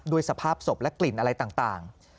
สภาพศพและกลิ่นอะไรต่าง